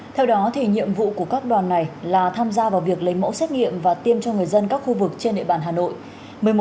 theo đó nhiệm vụ của các đoàn này là tham gia vào việc lấy mẫu xét nghiệm và tiêm cho người dân các khu vực trên địa bàn hà nội